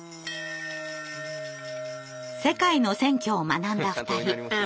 世界の選挙を学んだ２人。